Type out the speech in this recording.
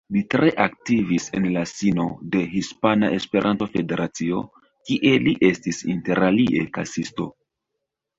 Li tre aktivis en la sino de Hispana Esperanto-Federacio, kie li estis interalie kasisto.